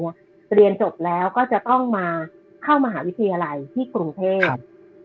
คือเรื่องนี้มันเกิดมาประสบการณ์ของรุ่นนี้มีคนที่เล่าให้พี่ฟังคือชื่อน้องปลานะคะ